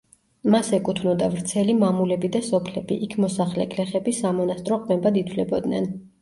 მას ეკუთვნოდა ვრცელი მამულები და სოფლები, იქ მოსახლე გლეხები სამონასტრო ყმებად ითვლებოდნენ.